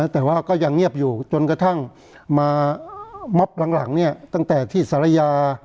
แต่ว่าก็ยังเงียบอยู่จนกระทั่งมามอบหลังตั้งแต่ที่สารยา